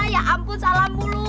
ya ampun salah mulu